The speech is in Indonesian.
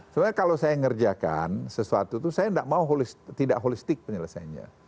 sebenarnya kalau saya ngerjakan sesuatu itu saya tidak mau tidak holistik penyelesaiannya